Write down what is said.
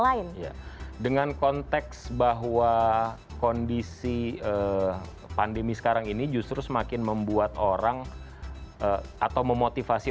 lain dengan konteks bahwa kondisi pandemi sekarang ini justru semakin membuat orang atau memotivasi